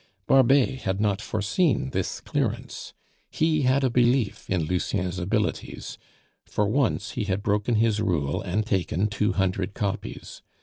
Barbet had not foreseen this "clearance;" he had a belief in Lucien's abilities; for once he had broken his rule and taken two hundred copies.